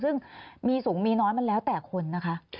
ซึ่งมีสูงมีน้อยมันแล้วแต่คนนะคะ